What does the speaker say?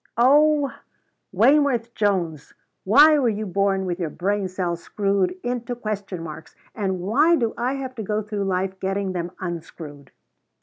"Oh, Wayneworth Jones! Why were you born with your brain cells screwed into question marks? and why do I have to go through life getting them unscrewed?"